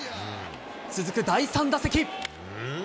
続く第３打席。